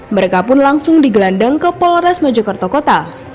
mereka pun langsung digelandang ke polres mojokerto kota